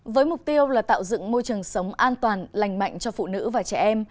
với mục tiêu là tạo dựng môi trường sống an toàn lành mạnh cho phụ nữ và trẻ em